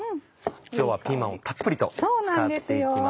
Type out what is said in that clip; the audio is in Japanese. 今日はピーマンをたっぷりと使っていきます。